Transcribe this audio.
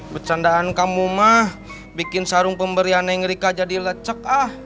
bercandaan kamu mah bikin sarung pemberian yang ngerika jadi lecek ah